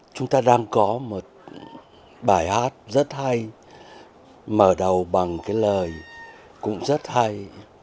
chúng ta đang có một bài hát rất hay mở đầu bằng cái lời cũng rất hay